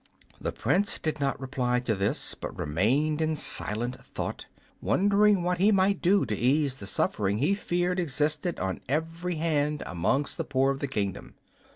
The Prince did not reply to this, but remained in silent thought, wondering what he might do to ease the suffering he feared existed on every hand amongst the poor of the kingdom.